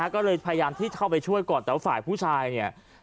ก็เลยพยายามที่เข้าไปช่วยก่อนแต่ว่าฝ่ายผู้ชายเนี่ย